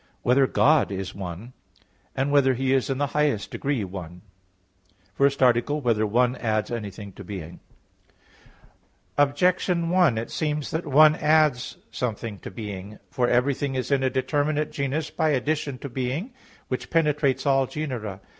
(3) Whether God is one? (4) Whether He is in the highest degree one? _______________________ FIRST ARTICLE [I, Q. 11, Art. 1] Whether "One" Adds Anything to "Being"? Objection 1: It seems that "one" adds something to "being." For everything is in a determinate genus by addition to being, which penetrates all _genera.